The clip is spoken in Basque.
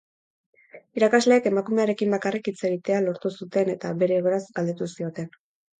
Irakasleek emakumearekin bakarrik hitz egitea lortu zuten eta, bere egoeraz galdetu zioten.